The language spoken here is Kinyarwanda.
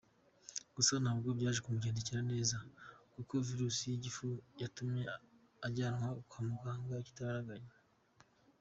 Gusa ntabwo byaje kumugendekera neza kuko Virus y’igifu yatumye ajyanwa kwamuganga igitaragaranya.